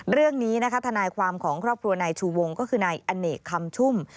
เรื่องนี้นะคะทนายความของครอบครัวนายชูวงก็คือนายอเนกคำชุ่ม